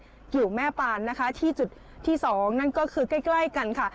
เกี่ยวกับแม่ปานที่จุดที่๒นั่นก็คือใกล้กันค่ะ